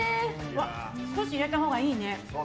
少し入れたほうがいいね。